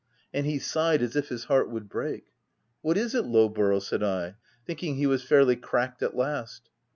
And he sighed as if his heart would break. "'■ What is it Lowborough?' said I, thinking he was fairly cracked at last.